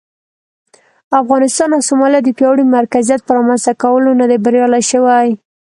افغانستان او سومالیا د پیاوړي مرکزیت پر رامنځته کولو نه دي بریالي شوي.